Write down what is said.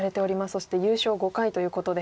そして優勝５回ということで。